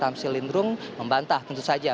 tamsil lindrung membantah tentu saja